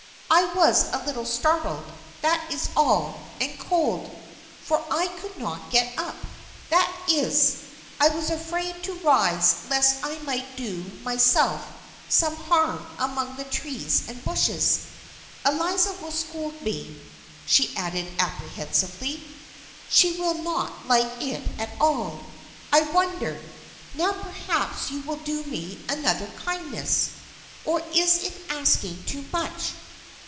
I was a little startled, that is all, and cold, for I could not get up. That is, I was afraid to rise lest I might do myself some harm among the trees and bushes. Eliza will scold me," she added apprehensively. " She will not like it at all. I wonder — now perhaps you will do me another kindness ? Or is it asking too much